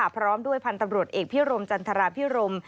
พร้อมด้วยพันธ์ตำรวจเอกพิรมจันทราพิรม